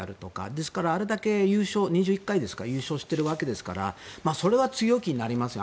ですからあれだけ優勝２１回ですか優勝しているわけですからそれは強気になりますよ。